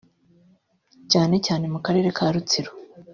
cyane cyane mu Karere ka Rutsiro